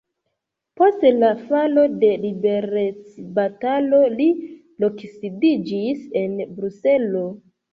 Post la falo de liberecbatalo li loksidiĝis en Bruselo.